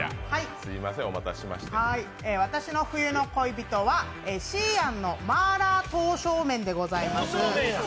私の冬の恋人はＸＩ’ＡＮのマーラー刀削麺でございます。